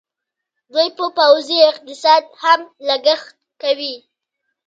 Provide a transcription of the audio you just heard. دوی په پوځي اقتصاد هم لګښت کوي.